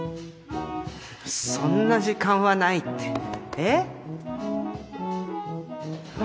そんな時間はないってえっ？